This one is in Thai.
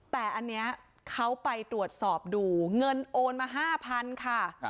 แต่อันนี้เขาไปตรวจสอบดูเงินโอนมา๕๐๐๐ค่ะ